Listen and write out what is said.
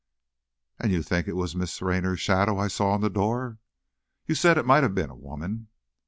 "And you think it was Miss Raynor's shadow I saw on the door!" "You said it might have been a woman."